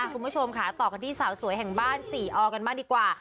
คุณผู้ชมค่ะต่อกันที่สาวสวยแห่งบ้านสี่ออกันบ้างดีกว่า